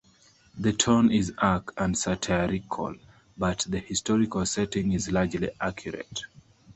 The tone is arch and satirical, but the historical setting is largely accurate.